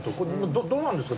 どうなんですか？